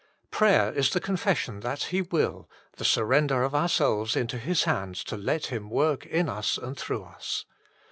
Prayer is the confession tliat He will, the surrender of our selves into His hands to let Him, work in us and through us.